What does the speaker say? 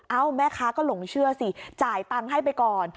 แม่ค้าก็หลงเชื่อสิจ่ายตังค์ให้ไปก่อน